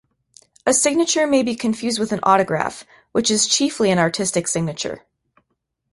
A signature may be confused with an autograph, which is chiefly an artistic signature.